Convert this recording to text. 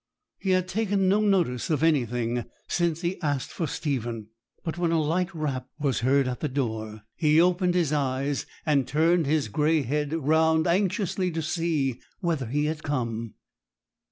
He had taken no notice of anything since he asked for Stephen; but when a light rap was heard at the door he opened his eyes, and turned his grey head round anxiously to see whether he was come.